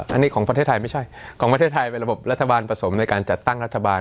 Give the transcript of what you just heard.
อันนี้ของประเทศไทยไม่ใช่ของประเทศไทยเป็นระบบรัฐบาลผสมในการจัดตั้งรัฐบาล